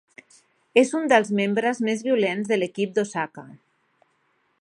És un dels membres més violents de l'equip d'Osaka.